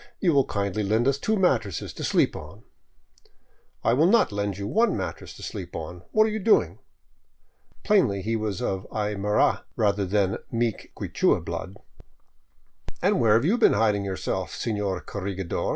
You will kindly lend us two mattresses to sleep on.'* " I will not lend you one mattress to sleep on. What are you doing?" Plainly he was of Aymara rather than meek Quichua blood. " And where have you been hiding yourself, senor corregidor?